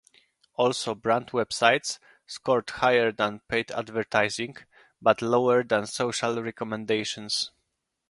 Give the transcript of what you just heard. Also brand web sites, scored higher than paid advertising, but lower than social recommendations.